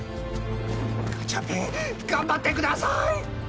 ガチャピン頑張ってください。